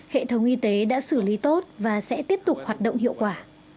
hệ thống y tế đã xử lý tốt và sẽ tiếp tục hoạt động hiệu quả